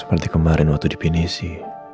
seperti kemarin waktu dipinisi